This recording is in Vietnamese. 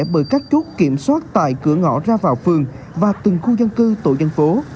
bởi các chốt kiểm soát tại cửa ngõ ra vào phường và từng khu dân cư tổ dân phố